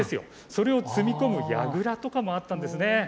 それを積み込むやぐらとかもあったんですね。